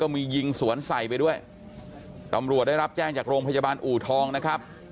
มียิงสวนใส่ไปด้วยตำรวจได้รับแจ้งจากโรงพยาบาลอูทองนะครับ